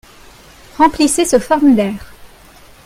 Remplissez ce formulaire.